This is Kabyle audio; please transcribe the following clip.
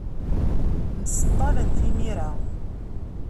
Mseṭṭalen timira.